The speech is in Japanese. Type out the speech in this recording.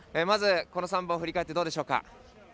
まず、この３本振り返ってどうでしょうか。